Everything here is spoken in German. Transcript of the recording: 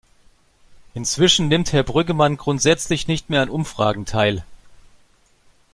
Inzwischen nimmt Herr Brüggemann grundsätzlich nicht mehr an Umfragen teil.